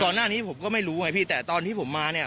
หน้านี้ผมก็ไม่รู้ไงพี่แต่ตอนที่ผมมาเนี่ย